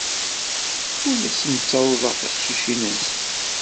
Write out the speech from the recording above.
Ur asen-ttawḍeɣ tiqcicin-nsen.